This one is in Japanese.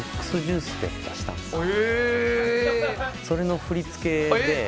それの振り付けで。